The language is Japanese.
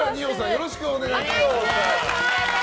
よろしくお願いします。